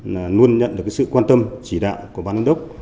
là luôn nhận được sự quan tâm chỉ đạo của bán đánh đốc